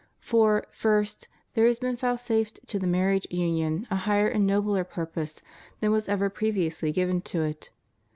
For, first, there has been vouchsafed to the marriage union a higher and nobler purpose than was ever previously given to it.